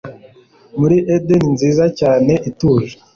muri edeni nziza cyane ituje